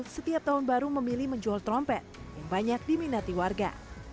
setiap tahun baru memilih menjual trompet yang banyak diminati warga